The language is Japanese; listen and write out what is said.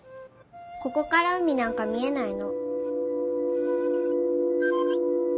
ここから海なんか見えないの。